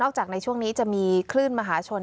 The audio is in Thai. นอกจากช่วงนี้จะมีคลื่นมาหาชน